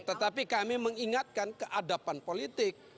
tetapi kami mengingatkan keadapan politik